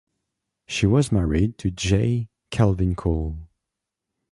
She was married to J. Calvin Cole.